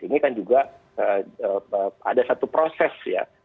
ini kan juga ada satu proses ya